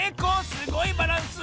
すごいバランス！